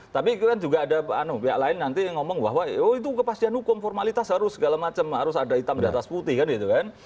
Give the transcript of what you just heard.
tapi kan juga ada pihak lain nanti yang ngomong bahwa oh itu kepastian hukum formalitas harus segala macam harus ada hitam di atas putih kan gitu kan